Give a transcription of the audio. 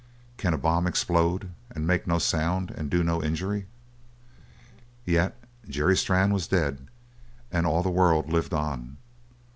Can a bomb explode and make no sound and do no injury? Yet Jerry Strann was dead and all the world lived on.